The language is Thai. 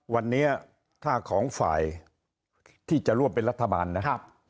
วันนี้ถ้าของฝ่ายที่จะร่วมเป็นรัฐบาลนะครับ